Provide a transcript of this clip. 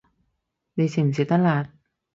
你食唔食得辣